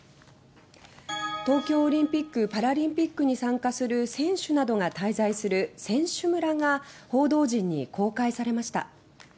東京オリンピック・パラリンピックに参加する選手などが滞在する選手村が報道陣に公開されました。